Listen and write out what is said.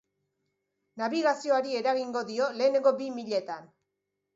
Nabigazioari eragingo dio, lehenengo bi milietan.